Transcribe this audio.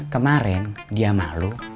kemarin dia malu